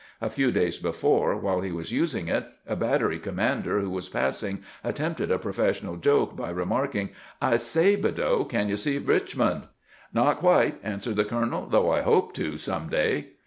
A few days before, while he was using it, a battery com mander who was passing attempted a professional joke by remarking, " I say, Badeau ; can you see Richmond ?"" Not quite," answered the colonel ;" though I hope to some day."